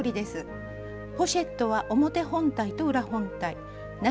ポシェットは表本体と裏本体長